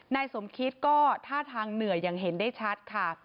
นายสมคิตก็ท่าทางเหนื่อยอย่างเห็นได้ชัดค่ะ